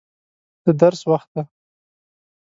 د درس وخت دی.